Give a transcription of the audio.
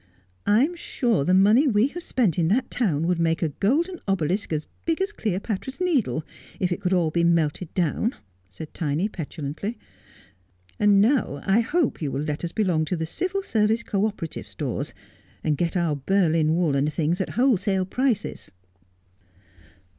' I'm sure the money we have spent in that town would make a golden obelisk as big as Cleopatra's Needle, if it could all be melted down,' said Tiny petulantly ;' and now I hope you will let us belong to the Civil Service Co operative Stores, and get our Berlin wool and things at wholesale prices.'